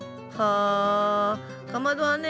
あかまどはね